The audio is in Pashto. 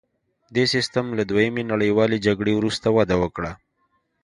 دې سیستم له دویمې نړیوالې جګړې وروسته وده وکړه